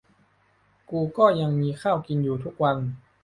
กูก็ยังมีข้าวกินอยู่ทุกวัน